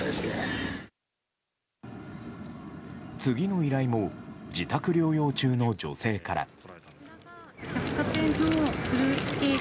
次の依頼も自宅療養中の女性から。